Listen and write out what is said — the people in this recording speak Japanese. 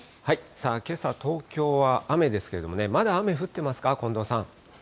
さあ、けさ東京は雨ですけれども、まだ雨降ってますか？